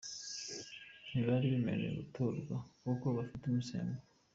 ntibari bemerewe gutorwa kuko bafite ubusembwa,.